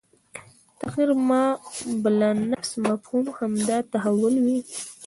تغیر ما بالانفس مفهوم همدا تحول وي